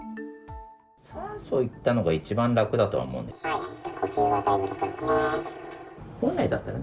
酸素いったのが一番楽だとは思うんですよね。